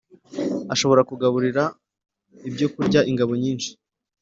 ashobora kugaburira ibyokurya ingabo nyinshi